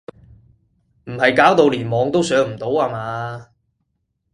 唔係搞到連網都上唔到呀嘛？